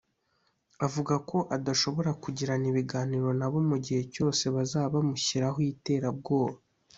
avuga ko adashobora kugirana ibiganiro na bo mu gihe cyose bazaba bamushyiraho iterabwoba